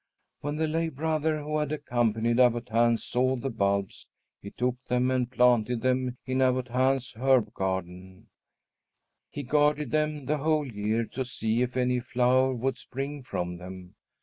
When the lay brother who had accompanied Abbot Hans saw the bulbs, he took them and planted them in Abbot Hans' herb garden. He guarded them the whole year to see if any flower would spring from them.